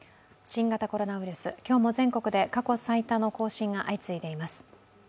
新型コロナウイルス、今日も全国で過去最多の更新が相次いでいます。